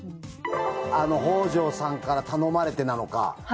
北条さんから頼まれてなのか。